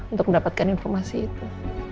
untuk mendapatkan informasi itu